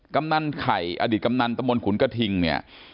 กำนันไข่อดีตกำนันตะมนต์ขุนกระทิงเนี่ย